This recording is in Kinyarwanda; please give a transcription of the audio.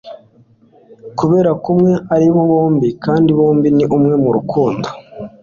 kuberako umwe ari bombi kandi bombi ni umwe murukundo